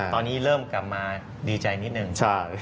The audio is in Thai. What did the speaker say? ตอนนี้เริ่มกลับมาดีใจนิดหนึ่ง